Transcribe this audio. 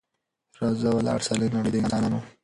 راځه ولاړ سه له نړۍ د انسانانو